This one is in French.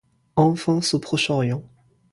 Enfance au Proche-Orient.